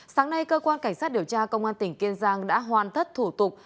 sáng nay cơ quan cảnh sát điều tra công an tỉnh kiên giang đã hoàn thất thủ tục